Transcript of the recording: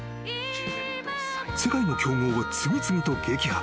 ［世界の強豪を次々と撃破］